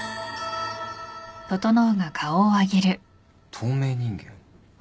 透明人間。